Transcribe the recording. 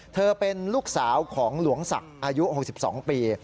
เธอเป็นลูกสาวของหลวงศักดิ์อายุ๖๒ปี